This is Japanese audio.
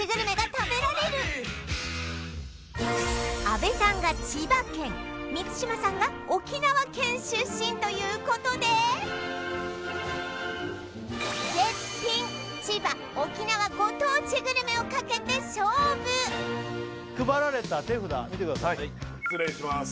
阿部さんが千葉県満島さんが沖縄県出身ということで絶品千葉沖縄ご当地グルメをかけて勝負配られた手札見てください失礼しまーす